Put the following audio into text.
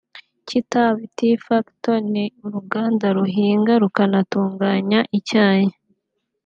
Kitabi Tea Factory ni uruganda ruhinga rukanatunganya icyayi